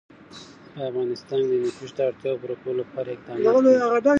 په افغانستان کې د هندوکش د اړتیاوو پوره کولو لپاره اقدامات کېږي.